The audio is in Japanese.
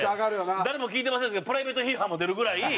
誰も聞いてませんでしたけどプライベートヒーハーも出るぐらい。